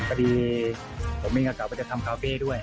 พอเดียวผมเสียงเกือบจะทำคาเฟ่ด้วย